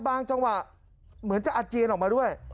จังหวะเหมือนจะอาเจียนออกมาด้วย